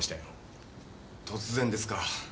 突然ですか？